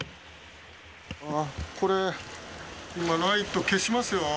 これ、今、ライト消しますよ。